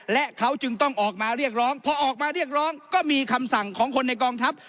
และเขาจึงต้องออกมาเรียกร้องพอออกมาเรียกร้องก็มีคำสั่งของคนในกองทัพ